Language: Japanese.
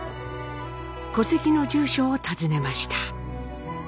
戸籍の住所を訪ねました。